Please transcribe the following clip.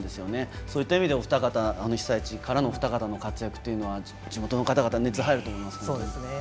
そういった意味で被災地からのお二方の活躍というのは地元の方々熱が入ると思いますね。